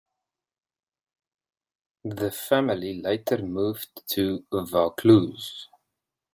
The family later moved to Vaucluse.